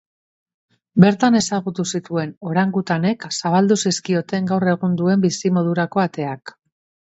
Bertan ezagutu zituen orangutanek zabaldu zizkioten gaur egun duen bizimodurako ateak.